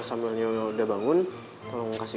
sambilnya udah bangun tolong kasih